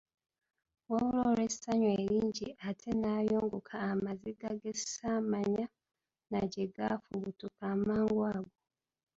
Wabula olw'essanyu eringi ate nayunguka amaziga ge ssaamanya na gye gaafubutuka amangu ago.